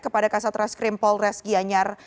kepada kasus trashkrim polres gianyar